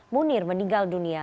munir meninggal dunia